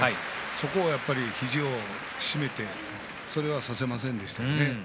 そこを、やっぱり肘を締めてそれはさせませんでしたね。